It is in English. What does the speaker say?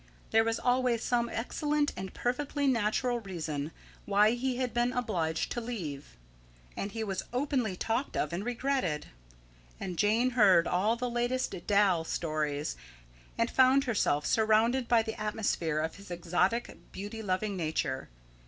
There was always some excellent and perfectly natural reason why he had been obliged to leave, and he was openly talked of and regretted, and Jane heard all the latest "Dal stories," and found herself surrounded by the atmosphere of his exotic, beauty loving nature.